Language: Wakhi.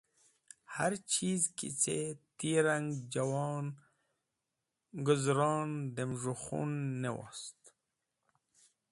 Harchizi ki ce, ti rang jawon guzaron dem z̃hũ khun ne wost.